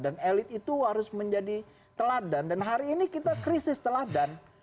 dan elit itu harus menjadi teladan dan hari ini kita krisis teladan